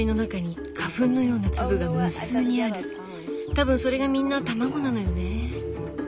多分それがみんな卵なのよね。